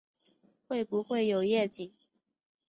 会不会有夜景